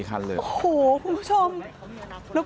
อ่ะขอประกัด